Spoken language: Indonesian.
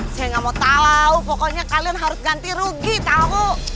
saya gak mau tau pokoknya kalian harus ganti rugi tau